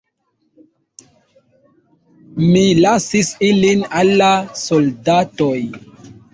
Mi lasis ilin al la soldatoj.